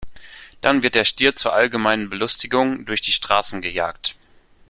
Dann wird der Stier zur allgemeinen Belustigung durch die Straßen gejagt.